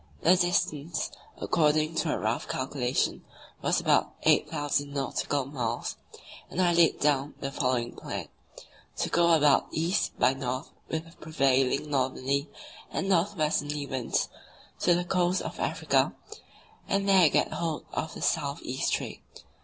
The distance, according to a rough calculation, was about 8,000 nautical miles, and I laid down the following plan: To go about east by north with the prevailing northerly and north westerly winds to the coast of Africa, and there get hold of the south east trade.